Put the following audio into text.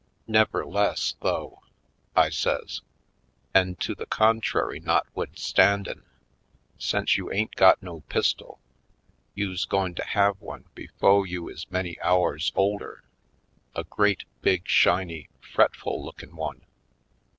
Never'less, though," I says, "an' to the contrary notwidstandin', sence you ain't got no pistol, you's goin' to have one befo' you is many hours older — a great big shiny fretful lookin' one."